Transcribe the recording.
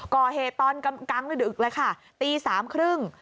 ก่อเหตุตอนกั๊งดึกเลยค่ะตี๓๓๐น